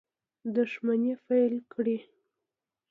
دښمني پیل کړي.